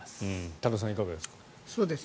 多田さん、いかがですか。